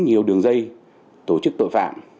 nhiều đường dây tổ chức tội phạm